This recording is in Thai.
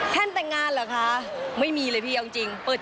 แล้วนี่เราเปิด